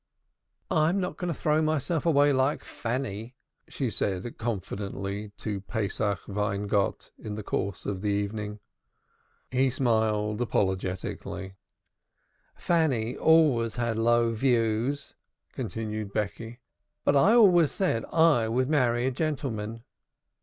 "I'm not going to throw myself away like Fanny," said she confidentially to Pesach Weingott in the course of the evening. He smiled apologetically. "Fanny always had low views," continued Becky. "But I always said I would marry a gentleman."